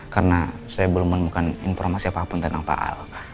karena saya belum menemukan informasi apapun tentang pak al